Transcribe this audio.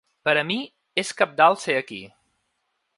Per a mi és cabdal ser aquí.